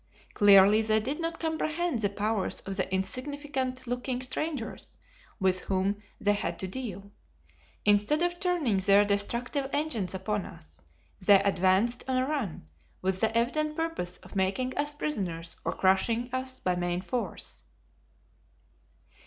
Clearly they did not comprehend the powers of the insignificant looking strangers with whom they had to deal. Instead of turning their destructive engines upon us, they advanced on a run, with the evident purpose of making us prisoners or crushing us by main force.